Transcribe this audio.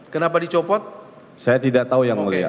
kenapa dicopot saya tidak tahu yang mulia